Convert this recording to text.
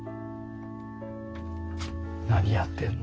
何やってんの。